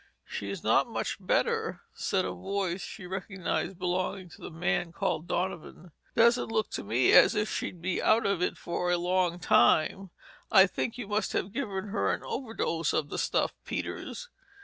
"She's not much better," said a voice she recognized as belonging to the man called Donovan. "Doesn't look to me as if she'd be out of it for a long time. I think you must have given her an overdose of the stuff, Peters."